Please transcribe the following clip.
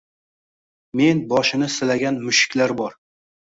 Men boshini silagan mushuklar bor